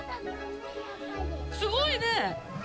すごいね。